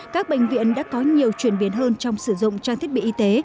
các bệnh viện đã có nhiều chuyển biến hơn trong sử dụng trang thiết bị y tế